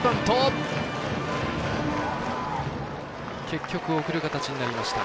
結局送る形になりました。